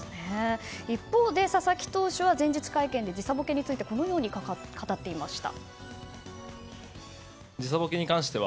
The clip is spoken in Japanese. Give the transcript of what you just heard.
一方で佐々木投手は前日会見で時差ボケについてこのように語っていました。